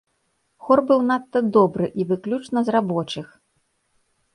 Хор быў надта добры, і выключна з рабочых.